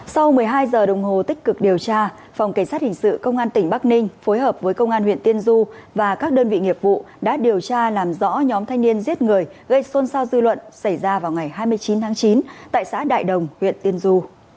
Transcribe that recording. sau một mươi hai giờ đồng hồ tích cực điều tra phòng cảnh sát hình sự công an tỉnh bắc ninh phối hợp với công an huyện tiên du và các đơn vị nghiệp vụ đã điều tra làm rõ nhóm thanh niên giết người gây xôn xao dư luận xảy ra vào ngày hai mươi chín tháng chín tại xã đại đồng huyện tiên du